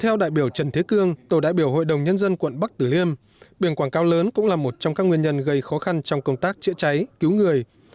theo đại biểu trần thế cương tổ đại biểu hội đồng nhân dân quận bắc tử liêm biển quảng cao lớn cũng là một trong các nguyên nhân gây khó khăn trong công tác chữa cháy cứu người